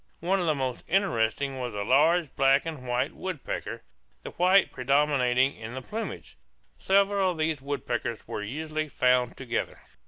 One of the most interesting was a large black and white woodpecker, the white predominating in the plumage. Several of these woodpeckers were usually found together.